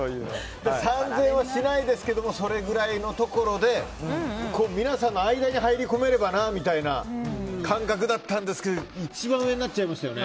３０００円はしないですけれどもそれぐらいのところで皆さんの間に入り込めればなみたいな感覚だったんですけど一番上になっちゃいましたよね。